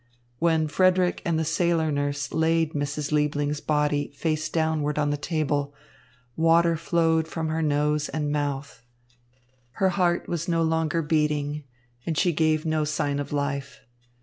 When Frederick and the sailor nurse laid Mrs. Liebling's body face downward on the table, water flowed from her nose and mouth. Her heart was no longer beating, and she gave no sign of life.